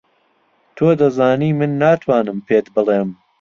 تۆ دەزانی من ناتوانم پێت بڵێم.